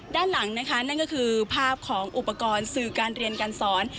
ด้านหลังนะคะนั่นก็คือภาพของอุปกรณ์สื่อการเรียนการสอน